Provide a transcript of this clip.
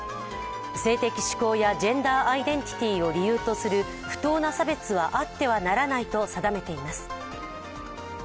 性的指向や、ジェンダーアイデンティティを理由とした不当な差別はあってはならないと定めています。